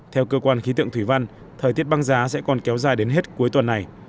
theo cơ quan khí tượng thủy văn thời tiết băng giá sẽ còn kéo dài đến hết cuối tuần này